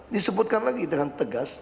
disebutkan lagi dengan tegas